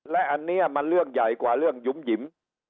และอันนี้มันเรื่องใหญ่กว่าเรื่องหยุ่มหยิม